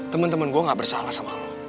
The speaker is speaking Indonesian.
temen temen gua ga bersalah sama lo